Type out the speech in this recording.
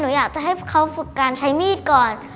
อยากจะให้เขาฝึกการใช้มีดก่อน